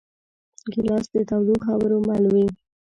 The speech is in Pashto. ګیلاس د تودو خبرو مل وي.